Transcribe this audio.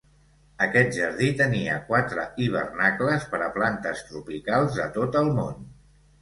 Aquest jardí tenia quatre hivernacles per a plantes tropicals de tot el món.